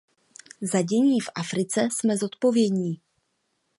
Za dění v Africe jsme zodpovědní.